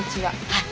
はい。